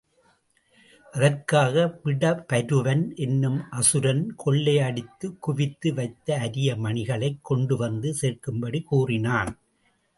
அதற்காக விடபருவன் என்னும் அசுரன் கொள்ளையடித்துக் குவித்து வைத்த அரிய மணிகளைக் கொண்டு வந்து சேர்க்கும்படி கூறினான்.